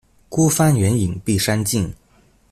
孤帆遠影碧山近